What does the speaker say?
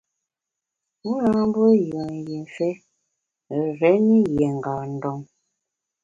U nâ mbe yùen jimfe réni yié ngâ ndon.